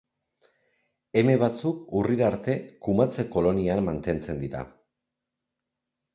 Eme batzuk urrira arte kumatze-kolonian mantentzen dira.